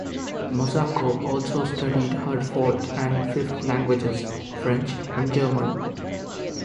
Masako also studied her fourth and fifth languages, French and German.